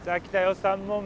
３問目。